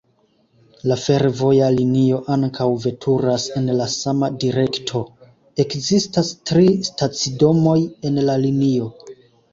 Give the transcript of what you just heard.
La fervoja linio ankaŭ veturas en la sama direkto. Ekzistas tri stacidomoj en la linio.